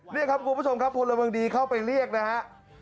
นี่ครับคุณผู้ชมครับพลเมืองดีเข้าไปเรียกนะฮะ